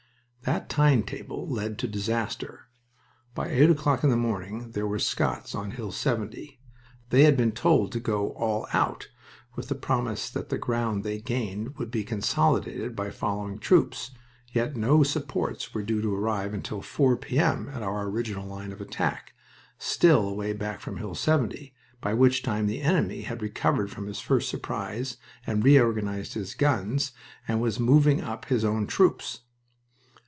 That time table led to disaster. By eight o'clock in the morning there were Scots on Hill 70. They had been told to go "all out," with the promise that the ground they gained would be consolidated by following troops. Yet no supports were due to arrive until 4 P.M. at our original line of attack still away back from Hill 70 by which time the enemy had recovered from his first surprise, had reorganized his guns, and was moving up his own supports.